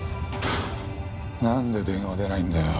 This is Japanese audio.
なんで電話出ないんだよ？